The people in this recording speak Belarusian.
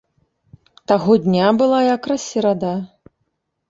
Таго дня была якраз серада.